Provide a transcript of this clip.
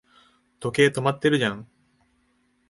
時計、止まってるじゃん